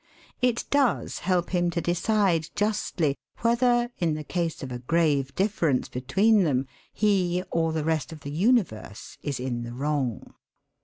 It does help him to decide justly whether, in the case of a grave difference between them, he, or the rest of the universe, is in the wrong.